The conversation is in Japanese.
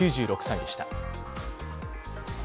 ９６歳でした。